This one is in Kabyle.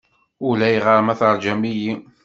Ulayɣer ma teṛjam-iyi.